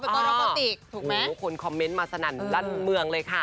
ไปก้อนโลโกติกถูกไหมโอ้โฮคนคอมเมนต์มาสนั่นรั่นเมืองเลยค่ะ